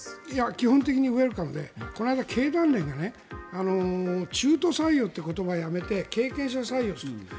基本的にウェルカムでこの間、経団連が中途採用って言葉をやめて経験者採用にすると。